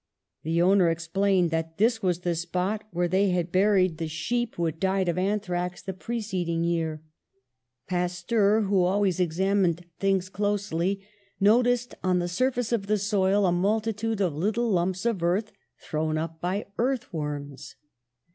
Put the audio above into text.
The owner explained that this was the spot where they had buried the sheep THE CURATIVE POISON 127 which had died of anthrax the preceding year. Pasteur, who always examined things closely, noticed on the surface of the soil a multitude of little lumps of earth thrown up by earth worms.